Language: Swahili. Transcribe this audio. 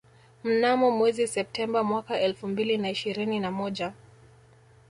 Mnamo mwezi Septemba mwaka elfu mbili na ishirini na moja